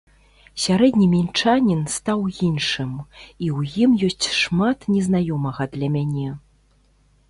Сярэдні мінчанін стаў іншым, і ў ім ёсць шмат незнаёмага для мяне.